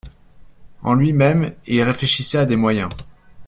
En lui-même il réfléchissait à des moyens.